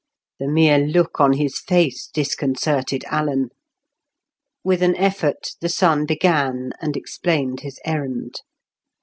The mere look on his face disconcerted Alan. With an effort the son began and explained his errand.